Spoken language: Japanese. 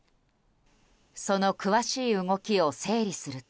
その詳しい動きを整理すると